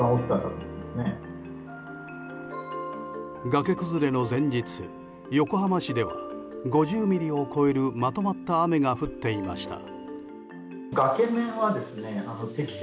崖崩れの前日、横浜市では５０ミリを超えるまとまった雨が降っていました。